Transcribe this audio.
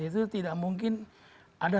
itu tidak mungkin ada